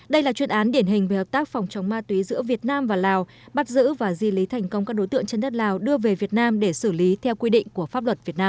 đây là chuyên án điển hình về hợp tác phòng chống ma túy giữa việt nam và lào bắt giữ và di lý thành công các đối tượng trên đất lào đưa về việt nam để xử lý theo quy định của pháp luật việt nam